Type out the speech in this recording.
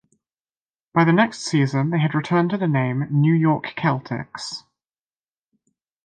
By the next season they had returned to the name, New York Celtics.